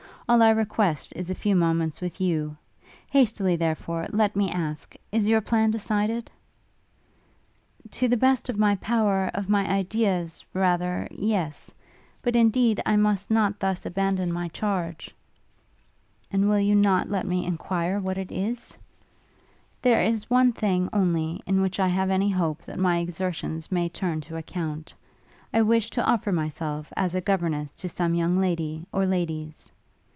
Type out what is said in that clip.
All I request, is a few moments with you! Hastily, therefore, let me ask, is your plan decided?' 'To the best of my power, of my ideas, rather, yes. But, indeed, I must not thus abandon my charge!' 'And will you not let me enquire what it is?' 'There is one thing, only, in which I have any hope that my exertions may turn to account; I wish to offer myself as a governess to some young lady, or ladies.'